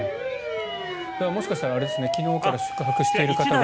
もしかしたら昨日から宿泊されている方が。